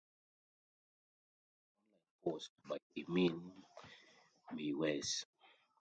The quote is taken from an online post by Armin Meiwes.